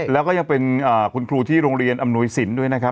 แล้วก็ยังเป็นคุณครูที่โรงเรียนอำนวยสินด้วยนะครับ